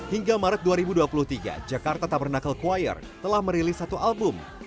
hingga maret dua ribu dua puluh tiga jakarta tak pernah ke choir telah merilis satu album